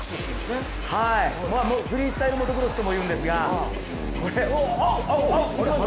フリースタイルモトクロスともいうんですが。